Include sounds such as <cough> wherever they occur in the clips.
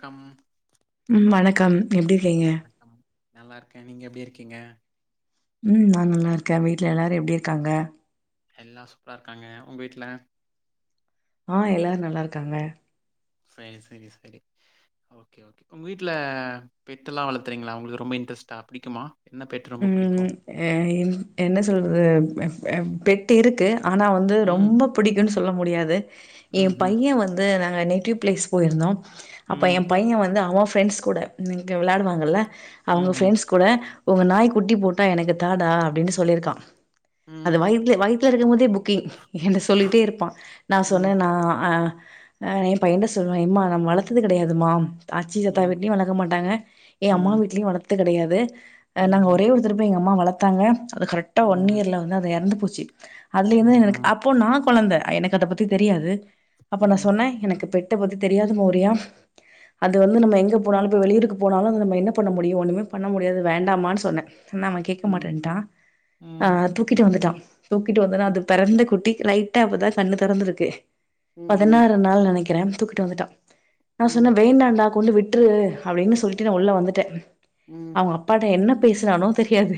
Come உம் வணக்கம் எப்படிருக்கீங்க நல்லா இருக்கேன் நீங்க எப்படி இருக்கீங்க உம் நான் நல்லா இருக்கேன் வீட்டுல எல்லாரும் எப்படி இருக்காங்க எல்லாம் சூப்பராா இருக்காங்க உங்க வீட்டுல ஆஹ் எல்லாரும் நல்லா இருக்காங்க சேரி சேரி சேரி ஓகே ஓகே உங்க வீட்டுல பெட்ட எல்லாம் வள்த்துறீங்களா உங்களுக்கு ரொம்ப இன்ட்ரெஸ்ட்டா பிடிக்குமா என்ன பெட் ரொம்ப பிடிக்கும் உஹம் என்ன சொல்றது பெட் இருக்கு ஆனா வந்து ம் ரொம்ப பிடிக்கும் சொல்ல சொல்ல முடியாது ம் என் ம் பையன் வந்து நா நேட்டீவ் ப்ளேஸ் போயிந்தோம் அப்ப ம் என் பையன் வந்து அவ ஃப்ரெண்ட்ஸ் கூட இங்க விளாடுவாங்கல அவங்க ம் ஃப்ரெண்ட்ஸ் கூட உங்க நாய் குட்டி போட்டா எனக்கு தாடா அப்படின்னு சொல்லியிருக்கான் ம் அது வயிதல வயிதல இருக்கும் போதே புக்கிங் என்கிட்ட சொல்லிட்டே இருப்பான் நா ம் சொன்னேன் நா அஹ் ஆஹ் என் பையன் சொல்லுவன் எம்மா நம்ம வளத்தது கிடையதுமா அச்சி சத்தா ம் வீடுலேயும் வளர்கக்கட்டங்க ஏன் அம்மா ம் வீட்லேயும் வளக்க கிடையாது ம் நாங்க ம் ஒரே ஒருதடவதா எங்கம்மா வளர்க பத்தாங்க அது கரெக்டா ம் ஒன் ம் இயர்ல வந்து இறந்து போச்சி அதுல ம் இருந்து எனக்கு ம் அப்போ நா குழந்த எனக்கு அத பத்தி தெரியாது அப்ப நா ம் சொன்ன எனக்கு பெட் பத்தி தெரியாாத மௌரியா அது வந்து நம்ம எங்க போனாலு வெளியூக்கு போனாலும்ம என்ன பண்ண முடியும் ஒண்ணுமே பண்ண முடியாது வேண்ட வேண்டா அாமான்னு சொன்னே சொன்னா அவேன் கேட்க ம் மாட்டேன்ட்டா ம் ம் ஆஹ் தூக்கிட்டு வந்துட்டா தூக்கிட்டு வந்தேனா ம் அது பிறந்த குட்டி லைட்டா அப்பதா கண்ண திறந்துருக்கு பதினாறு ம் நாள் நினைக்கிற துக்கிட்டு வந்துட்டா ம் நான் சொன்னே வேண்டாண்டா கொண்டு விட்ரு அப்டின்னு சொல்லிட்டு நான் உள்ள வந்துட்டேன் ம் என்ன பேசனானோ தெரியாது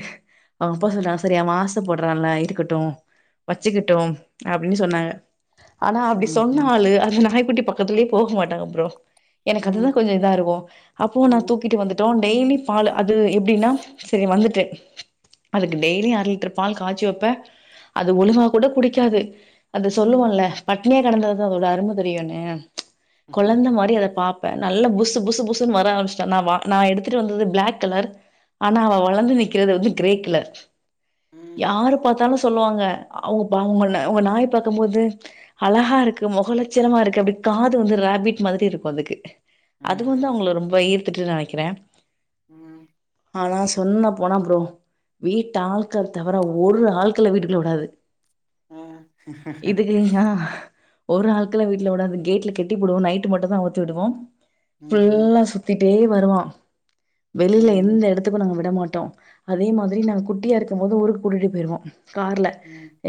அவங்க அப்பா சொல்றாங்க சரிய அவன் ஆச படுரல இருக்கட்டு வச்சுக்கட்டு அப்படின்னு சொன்னாங்க ஆனா அப்டி ம் ம் ம் சொன்னாலு அது நாய்குட்டி பக்கத்துலேயே போக மாட்டாங்க அ பறோ எனக்கு அதுதா கொஞ்சோ இதா இருக்கு அப்போ நா தூக்கிட்டு வந்துட்டோ டெய்லி பாலு அது எப்டின்னா செரி வந்துட்டு அதுக்கு டெய்லி அர லிட்டர் பால் காய்ச்சி வப்பே அது ஒழுங்கா கூட குடிக்காது அது சொல்லுவோல பட் ண்ணைய கிடந்ததா அதோட அரும தெரியுனு குழந்த மாரி அத பா பா நல்ல புசு புசு புசு வரம்பிச்சுட்டா நா எடுத்துட்டு வந்தது பிள் கலர் ஆனா அவ வளர்ந்து நிற்கிறது வந்து கிரே கலர் யாரு பாத்தாலு சொல்லுவாங்க அவங்கங்க உங்க நாய் பாார்கக்கும் போது அழகா இருக்கு முகலச்சணமா இருக்கு அப்படி காது வந்து ரபிட் மாதிரி இருக்கு அதுக்கு அது வந்து ம் அவங்க ரொம்ப த்துட்டு நினைக்கிற ம் ஆனா சொன்ன போன புறோ வீட்டு ஆட்கள் தவிர ஒரு ஆட்கள வீட்டுக்குள்ள விடாது இதுக்குயா ஒரு நாளுக்குலா ம் வீல உட கேட்ல கட்டி டுவோ நைட்டு மட்டு தா அவுத்து விடுவோ ஃபுல்லா சுத்திட்டே வருவா வெளியில எந்த எடத்துக்கு நாங்க விட மாட் டோ அதே மாதிரி நாங்க குட்டியா இருக்கும் போது ஒரு கூட்டிட்டு போய்டுவோ கார்ல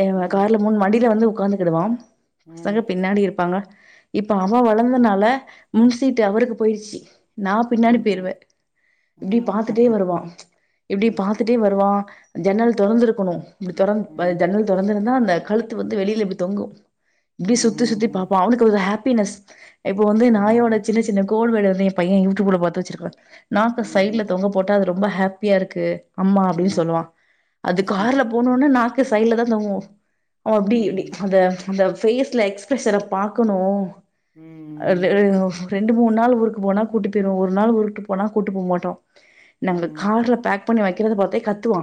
<unintelligible> கார்ல முன் மடியில வந்து உக்க்கந்துக்கிடுவா பசங்க பின்னாடி இருப்பாங்க இப்ப அவன் வளந்தனால முன்சீட்டு அவருக்கு போயிடுச்சி நா பின்னாடி போயிருவே இப்டி பாத்துட்டே வருவா இப்டி பாத்துட்டே வருவா ஜன்னல் தொறந்திருக்கணு <unintelligible> தொற ஜன்னல் தொறந்திருந்தா நல் கழுத்து வந்து வெளியில இப்டி தொங்கு இப்டியே சுத்தி சுத்தி பாப்பான் அவனுக்கு ஒரு ஹேப் பினஸ்ட் இப்போ வந்து நாயோட ஆமாமா. சின்ன சின்ன கோல் <unintelligible> ஏ பைய யூடியூப்ல பாத்து வச்சிருக்கா நா ஆ சைடுல தொங்க போட்டு அத ரொம்ப ஹாப்பியா இருக்கு அம்மா அப்டின்னு சொல்லுவான் அது கார்ல போனோன்னே நாக் சைடுல தா தொங்குவோ ஓ அப்டி இப்டி அத அந்த ஃபேஸ்ல எக்ஸ்பிரஷன பாக்கணு <unintelligible> ரெண்டு மூணு நாள் ஊருக்கு போனா கூட்டி போயிருவோ ஒரு நாள் ஊருவுட்டு போனா கூட்டு போ மாட்டோ நாங்க கார்ல பேக் பண்ணி வைக்கிறத பாத்தே கத்துவா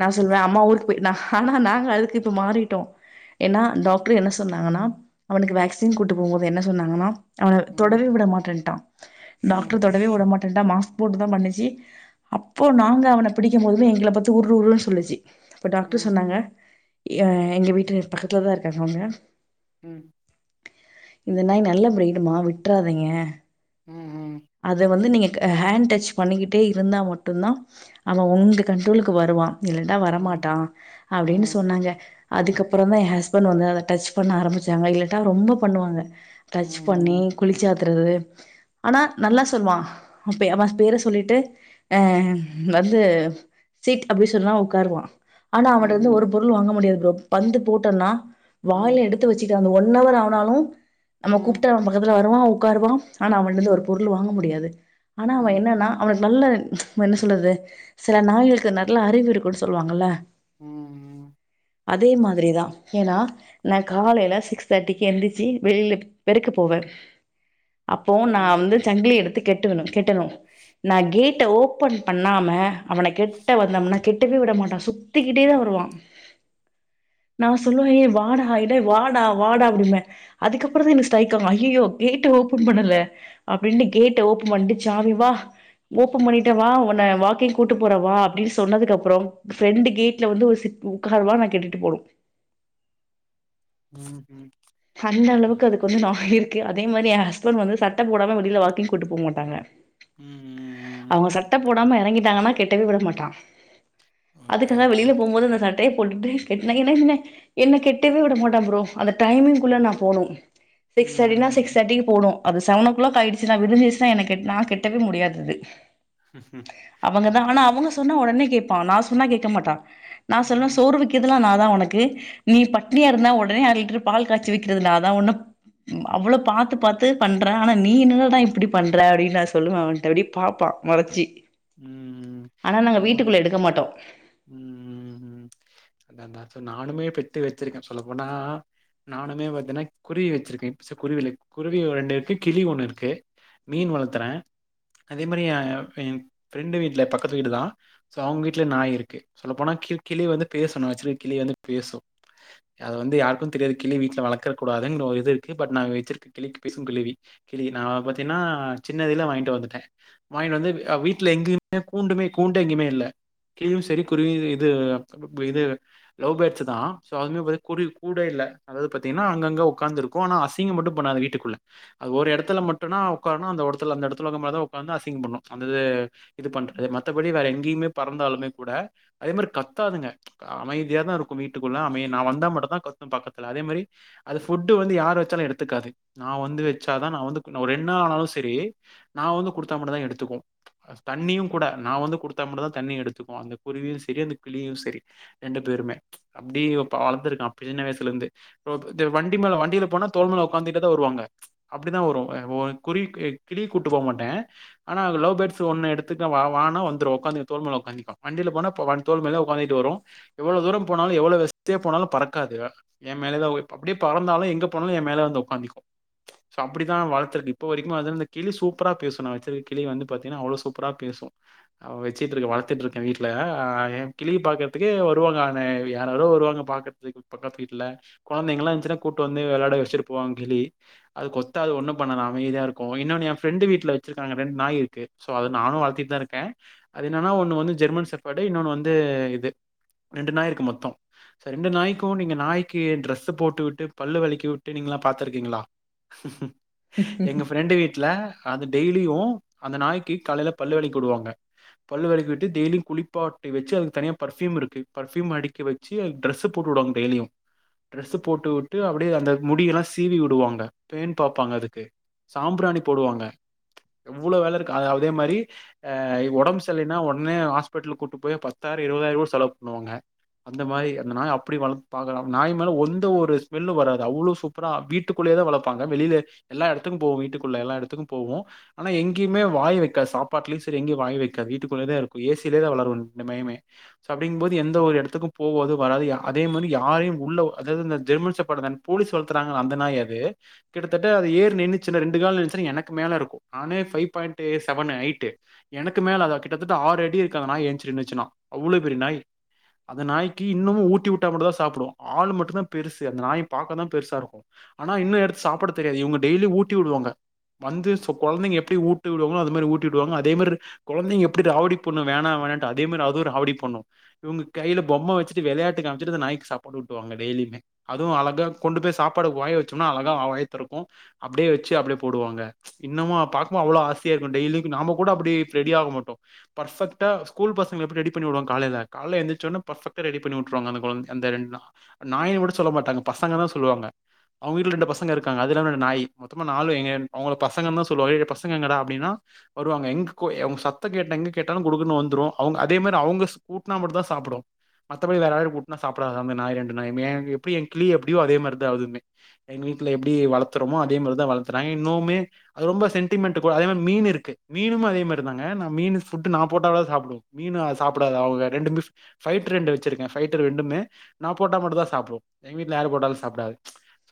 நா சொல்வே அம்மா ஊருக்கு போயி நா ஆனா நாங்க அதுக்கு இப்போ மாறிட்டோ ஏன்னா டாக்டரு என்ன சொன்னாங்கன்னா அவனுக்கு வேக்சின் கூட்டு போம்போது என்ன சொன்னாங்கன்னா அவன தொடவே விட மாட்டேன்ட்டா டாக்டர் தொடவே வு ட மட்ட மாஸ் போட்டு தான் பண்ணுச்சு அப்போ நாங்க அவனை பிடிக்கும்போது எங்கள பாத்து உறு உறுன்னு சொல்லுச்சு அப்ப டாக்டர் சொன்னாங்க எங்க வீட்டு பக்கத்துல தான் இருக்காங்க அவங்க உம் இந்த நாய் நல்ல பிரீட்மா விட்டுறாதீங்க அது வந்து நீங்க ஹாண்ட் டச் பண்ணிக்கிட்டே இருந்தா மட்டும் தான் அவன் உங்க கண்ட்ரோலுக்கு வருவான் இல்லடா வரமாட்டான் அப்பிடின்னு சொன்னாங்க அதுக்கப்புறம் தான் என் ஹஸ்பண்ட் வந்து அதை டச் பண்ண ஆரம்பிச்சாங்க இல்லடா ரொம்ப பண்ணுவாங்க டச் பண்ணி குளிச்சா திரு ஆனா நல்லா சொல்லுவான் அப்ப அவ பேர சொல்லிட்டு அஹ் வந்து சிட் அப்டி சொன்னா உக்காருவான் ஆனா அவன்ட இருந்து ஒரு பொருள் வாங்க முடியாது ப்ரோ பந்து போட்டன்னா வாய்ல எடுத்து வச்சுக் அந்த ஒன் அவ்வர் ஆனாலும் நம்ம கூப்டா அவன் பக்கத்துல வருவாம் உட்காருவாம் ஆனா <unintelligible> ஒரு பொருள் வாங்க முடியாது ஆனா அவன் என்னன்னா அவனுக்கு நல்ல நம்ம என்ன சொல்றது சில நாய்களுக்கு நல்ல அறிவு இருக்கும்ன்னு சொல்லுவாங்கல்ல உஹ்ம் உஹ்ம் அதே மாதிரி தான் ஏன்னா நான் காலையில சிக்ஸ் தேர்ட்டிக்கு எழுந்திரிச்சு வெளியில பெருக்க போவன் இப்போ நான் வந்து சங்கிலி எடுத்து கெட்டுணு கெட்டணு நா கேட்ட ஓபன் பண்ணாம அவன கெட்ட வந்தோம்னா கெட்டவே விட மாட்டா சுத்திக்கிட்டே தா வருவான் நா சொல்லுவே ஏ வாடா எடெ வாடா வாடா அப்டின்பெ அதுக்கப்பற தா எனக்கு ஸ்ட்ரைக் ஆகு ஐய்யயோ கேட்டு ஓபன் பண்ணல அப்டின்ட்டு கேட்ட ஓபன் பண்ட்டு சாவி வா ஓபன் பண்ணிட்ட வா உன்ன வாக்கிங் கூட்டு போற வா அப்டின்னு சொன்னதுக்கு அப்புறோ ஃப்ரெண்டு கேட்ல வந்து ஒரு சிட் உக்கார்வா நா கெட்டுட்டு போனு உம் உம் அந்த அளவுக்கு அதுக்கு வந்து நா உயிர் அதே மாரி ஏ ஹஸ்பண்ட் வந்து சட்ட போடாம வெளில வாக்கிங் கூட்டு போ மாட்டாங்க அவங்க சட்ட போடாம எறங்கிட்டாங்கன்னா கெட்டவே விட மாட்டா அதுக்காக வெளில போம்போது அந்த சட் பே போட்டுட்டு கெட்னா என்ன என்ன என்ன கெட்டவே விட மாட்ட ப்ரோ அந்த டைமே குள்ள நா போணு சிக்ஸ் தேர்டினா சிக்ஸ் தேர்விற்கு போனு அது சவன் ஓ கிளாக் ஆயிடுச்சுனா விடிஞ்சுச்சுனா எனக்கு நா கெட்டவே முடியாது இது அவங்க தா ஆனா அவங்க சொன்ன ஒடனே கேப்பா நா சொன்னா கேக்க மாட்டா நா சொல்லுவ சோறு விக்கிர்துலா நா நா ஒனக்கு நீ பட்னியா இருந்தா ஒடனே அர லிட்ரு பால் கச்சி விக்ரது நா தா ஒவ்வொன்னு அவ்ளோ பாத்து பாத்து பண்றே ஆனா நீ என்னடானா இப்டி பண்ற அப்டின் நா சொல்லுவ அவன்ட்ட இப்டி பாப்பா மொறச்சி உம் ஆனா உஹ்ம் நாங்க வீட்டுக்குள்ள எடுக்க உண்மதா மாட்டோ உம் உஹ்ம் உம் அதாங்க்கா சோ நானுமே பெட்டு வச்சிருக்கே சொல்லப்போனா நானுமே பாத்தேனா குருவி வச்சிருக்கே சோ குருவிலே குருவி ஓ ரெண்டு இருக்கு கிளி ஒன்னுருக்கு மீன் வளத்துறே அதே மாரி அ ம் ஃப்ரெண்டு வீட்ல பக்கத்து வீடு தா சோ அவுங்க வீட்ல நாய் இருக்கு சொல்ல போனா கி கிளி வந்து பேசூ நா வச்சிருக்க கிளி வந்து பேசூ அது வந்து யாருக்கூ தெரியாது கிளி வீட்ல வளக்கக் கூடாதூன் ஒரு இது இருக்கு பட் நா வச்சிருக்க கிளி பேசுங்கிளி கிளி நா பாத்தீன்னா சின்னதிலே வாங்கிட்டு வந்துட்டே வாங்கிட்டு வந்து ஆ வீட் இல்ல எங்கேயுமே கூண்டுமே கூண்டு எங்கயுமே இல்ல கிழியு சரி குருவி இது இது லவ் பேட்ஸ் தா சோ அதுவுமே குருவி கூடே இல்ல அதாவது பாத்தீங்கன்னா அங்கங்க உக்காந்துருக்கு ஆனா அசிங்க மட்டு பண்ணாது வீட்டுக்குள்ள அது ஒரு எடத்துல மட்டுனா உக்காரணு அந்த ஓர் எடத்துல அந்த எடத்துல இக்க மாரிதா உக்காந்து அசிங்க பண்ணணு அந்த இது இது பண்றது மத்தபடி வேற எங்கேயுமே பறந்தாலுமே கூட அதே மாரி கத்தாதுங்க அமைதியா தா இருக்கு வீட்டுக்குள்ள அமை நா வந்தா மட்டு தா கத்து பக்கத்துல அதே மாரி அது ஃபுட்டு வந்து யாரு வச்சாலு எடுத்துக்காது நா வந்து வச்சாதா நா வந்து கு நா ரென் நாளானாலு சரி நா வந்து குடுத்தா மட்டுதா எடுத்துக்கு அ தண்ணியு கூட நா வந்து குடுத்தா மட்டு தா தண்ணி எடுத்துக்கு அந்த குருவியு செரி அந்த கிளியு செரி ரெண்டு பேருமே அப்டி பா வளத்துருக்க சின்ன வயசுல இருந்து பபு இந்த வண்டி மேல வண்டில போனா தோல் மேல ஒக்காந்துட்டே தா வருவாங்க அப்டிதா வரு ஆ ஓ குருவிக்கு கிளி கூட்டு போ மாட்டே ஆனா லவ் பேட்ஸ் ஒன்னு எடுத்துட்டு வா வானா வந்துரு ஒக்காந்து தோள் மேல ஒக்காந்துக்கு வண்டில போனா போ வான் தோள் மேலயே ஒக்காந்திட்டு வரு எவ்ளோ தூரொ போனாலு எவ்ளோ வெஸ்டே போனாலு பறக்காது எ மேலே தா உய் அப்படியே பறந்தாலு எங்க போனாலு எ மேலே வந்து உக்காந்திக்கு சோ அப்டி தா வளத்துருக்கு இப்ப வரைக்குமே அது இந்த கிளி சூப்பரா பேசும் நா வச்சிருக்க கிளி வந்து பா ஏனா அவ்ளோ சூப்பரா பேசு ஆ வச்சிட்ருக்க வளத்துட்ருக்க வீட்ல ஆஹ் ஏ கிளி வருவ நானு யார் யாரோ வருவாங்க பாக்குறதுக்கு பக்கத்து வீட்டுல கொழந்தைங்களா இன்ச்சுனா கூட்டு வந்து வெளாட வெச்சுட்டு போவாங்க கிளி அது கொல்லாது ஒண்ணொ பண்ணல அமைதியா இருக்கொ இன்னொன்னு ஏ ஃபிரண்டு வீட்ல வெச்சிருக்க அங்க ரெண்ட் நாய் இருக்கு சோ அத நானு வளத்திட்டு தா இருக்கே அது என்னன்னா ஒண்ணு வந்து ஜெர்மன் செர்ஃபடு இன்னொன்னு வந்து இது ரெண்டு நாய் இருக்கு மொத்தொ சோ ரெண்டு நாய்க்கு நீங்க நாய்க்கு ட்ரஸ் போட்டு விட்டு பல்லு வலக்கி விட்டு நீங்கல்லா பாத்திருக்கீங்களா எங்க ஃப்ரெண்டு வீட்ல அது டெய்லியும் அந்த நாய் காலைல பல்ல விலக்கி விடுவாங்க பல்லு விலக்கி விட்டு டெய்லி குளிப்பாட்டி வெச்சி அதுக்கு தனியா பர்ஃவ் யூம் இருக்கு பர்ஃவ்யூம் அடிக்க வெச்சி அதுக்கு டிரஸ் போட்டு விடுவாங்க டெய்லியும் டிரஸ்ஸு போட்டு விட்டு அப்டியே அந்த முடியெல்லாம் சீவி விடுவாங்க பேண் பாப்பாங்க அதுக்கு சாம்பிராணி போடுவாங்க இவ்ளோ வேல இருக்கு அதே மாரி உடம்பு சரியில்லனா உடனே ஹாஸ்பிட்டலுக்கு கூட்டு போய் பத்தாயிரம் இருவதாயிரம் ய செலவு பண்ணுவாங்க அந்த மாரி அந்த நாய்ய அப்படி பாக்குராங்க அந்த நாய் மேல எந்த ஒரு ஸ்மெல்லும் வராது அவ்ளோ சூப்பரா வீட்டுக்குல்லேயே தா வளப்பாங்க வெளில எல்லா இடத்துக்கும் போகும் வீட்டுக்குல்ல எல்லா இடத்துக்கும் போகும் ஆனா எங்கேயுமே வாயே வைக்காது சாப்பாட்டுலேயும் சரி எங்கேயும் வாயே வெக்காது வீட்டுக்குள்ளயே தா இருக்கும் ஏசிலேயே தா வளரும் இன்னமே சோ அப்டியும் போது எந்த ஒரு இடத்துக்கும் போகாது வராது அதே மாரி யாரயும் உள்ள அதாவது யாரையும் உள்ள இந்த ஜெர்மன் செப்பாடு போலிஸ் வளத்துராங்கல அந்த நாய் அது கிட்டத் தட்ட அது ஏரி நின்னுச்சினா ரெண்டு கால்ல நின்னு ச்சினா எனக்கு மேல இருக்கும் நானே ஃபைவ் பாய்ண்ட் செவண் ஹைட்டு எனக்கு மேல கிட்டத்தட்ட ஆறடிட இருக்கு அந்த நாய் ஏன்ச்சு நின்னுச்சினா அவ்ளோ பெரிய நாய் அந்த நாய்க்கு ஊட்டி விட்டா கூட தா சாப்டும் ஆல் மட்டும் தான் பெருசு அந்த நாய் பாக்க தா பெருசா இருக்கும் ஆனா இன்னும் எடுத்து சாப்ட தெரியாது டெய்லி ஊட்டி விடுவாங்க வந்து கொழந்தைங்க எப்டி ஊட் ஊட்டி விடுவாங்க அது மாரி ஊட்டி விடுவாங்க அதே மாரி கொழந்தைங்க எப்டி ராவடி பண்ணும் வேணா வேண்டானு அதே மாரி அதுவும் ராவடி பண்ணும் இவுங்க கைல பொம்மை வச்சட்டு விளையட்டு காமிச்சட்டு இந்த நாய்க்கு சாப்பாடு ஊட்டுவாங்க டெய்லியுமே அதுவும் அழகா கொண்டு போய் சாப்பாடு வாய வச்சோனே அழகா வாய தொறக்கும் அப்டியே வச்சி அப்டியே போடுவாங்க இன்னமும் பாக்கும் போ அவ்ளோ ஆச டெய்லி நாம கூட அப்டி ரெடி ஆக மாட்டோம் பர்ஃபெக்டா ஸ்கூல் பசங்க எப்டி ரெடி பண்ணி விடுவாங்க காலைல எந்துருச்சோன பர்ஃபெக்டா ரொடி பண்ணி விட்ருவாங்க அந்த கொழந்த அந்த நாய்னு கூட சொல்ல மாட்டாங்க பசங்கனு சொல்லுவாங்க அவுங்க வீட்ல ரெண்டு பசங்க இருகாங்க அதுல இந்த நாயி மொத்தமா நாலு அவுங்க பசங்கனு தா சொல்லுவாங்க ஏய் பசங்க எங்கடா அப்டினா வருவாங்க எங்க அவுங்க சத்தோ எங்க கேட்டாலும் குடு குடூனு வந்துரு அதே மாரி அவுங்க ஊட்டுனா மட்டும் தா சாப்புடும் மத்த படி வேற யாரு ஊட்டுனா சாப்டாது அந்த நாய் ரெண்டு நாயுமே எ வீட்ல கிளி எப்டியோ அதே மாரி தா எங்க வீட்ல எப்டி வளத்துறமோ அதே மாரி தா வளத்துறாங்க இன்னுமே ரொம்ப சென்டி மெண்ட்டு அதே மாரி மீனு இருக்கு மீனும் அதே மாரிதாங்க மீனு ஃபுட்டு் நா போட்டாதா சாப்டும் மீனு சாப்டாது அவுங்க ரெண்டு ஃபைட்டர் ரெண்டுமே ஃபைட்டர் ரெண்டுமே நான் போட்டா மட்டும் தான் சாப்டும் எங்க வீட்ல யா ரு போட்டாலும் சாப்பிடாது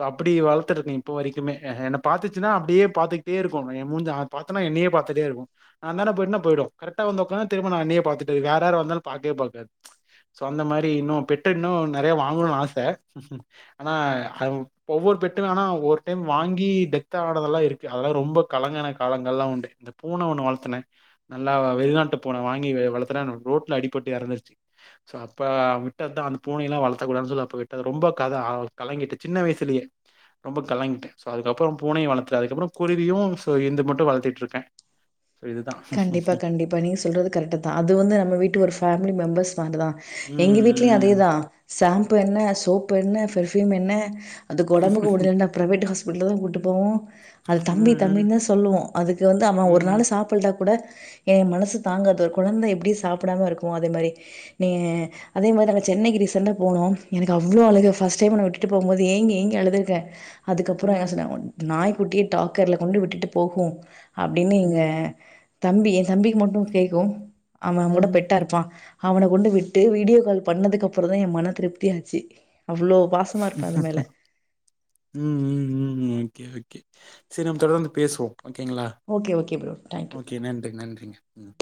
அப்டி வளத்துருக்கே இப்போ வரைக்குமே என்ன பாத்தச்சுனா அப்டியே ‌பாத்துட்டே இருக்கும் என் மூஞ்சயா பாத்தனா என்னையே பாத்துட்டே இருக்கும் நான் அந்தான்ட போயிட்டனா போய்டும் கரக்டா வந்து உக்காந்தனா திரும்ப நான் என்னையே பா்த்துட்டு இருக்கும் வேற யாரு வந்தாலும் பாக்கவே பாக்காது சோ அந்த மாரி இன்னும் பெட்டு இன்னும் நறையா வாங்கணும்னு ஆசை ஆனா ஒவ்வொரு பெட்டும் ஆனா ஒவ்வொரு டைம் ‌வாங்கி டெத் ஆன தெல்லாம் இருக்கு அதெல்லாம் ரொம்ப கலங்குன காலங்காலலா உண்டு இந்த பூனை ஒன்னு வளத்துனே நல்லா வெளிநாட்டு பூனை வாங்கி வளத்துன ரோட்ல அடிப்பட்டு இறந்துருச்சு சோ அப்போ விட்டது தான் அந்த பூனை யெல்லாம் வளத்தக் கூடாதுனு சொல்லி அப்ப விட்டது ரொம்ப கதை கலங்கிட்டே சின்ன வயசுலயே ரொம்ப கலங்கிட்டேன் சோ அதுக்கப்றோ பூனையும் வளத்துனே அதுக்குப்புறம் குருவியும் சோ இத மட்டும் வளத்திட்டு இருக்கேன் கண்டிப்பா கண்டிப்பா நீங்க சொல்றது கரெக்ட்டு தான் அது வந்து நம்ம வீட்டுக்கு ஒரு ஃபேமிலி மெம்பர்ஸ் மாரி தான் எங்க வீட்லயும் அதே ம், தா ஷாம்பு என்ன சோப்பு என்ன பெர்ஃவுயூம் என்ன அதுக்கு உடம்புக்கு முடில நா பிரைவேட் ஹாஸ்பிட்டல் பெட்ல தா கூப்புட்டு போவோ அது ம், தம்பி தம்பி ம், தா சொல்லுவோ அதுக்கு வந்து அவன் ஒரு நாள் ம், சாப்புடுல கூட எங்க மனசு தாங்காது ஒரு குழந்த எப்டி சாப்பிடாம இருக்குமோ அதே மாரி நீ அதே மாரி நாங்க சென்னைக்கு ரீசன்டா போனோ எனக்கு அவ்ளோ அழுக ஃவர்ஸ்ட் டைம் இவன விட்டுட்டு போம்போது ஏங்கி ஏங்கி அழுது இருக்க ம், அதுக்கப்புறோ என்ன ம், சொன்னாங்க நாய் கூட்டிய டாக்கர்ல கொண்டு விட்டுட்டு போகு அப்படின்னு இங்க ம், தம்பி என் தம்பிக்கு மட்டு கேட்கு அவ கூட ம், பெட்டா இருப்பா அவன கொண்டு விட்டு வீடியோ கால் பண்ணதுக்கப்புறோ தா என் மன திருப்தியாச்சு உம் உம் உம் ஓகே ஓகே சரி நம்ம தொடர்ந்து பேசுவோ ஓகேங்களா okay okay bro thank you okay நன்றி நன்றி நன்றிங்க உம்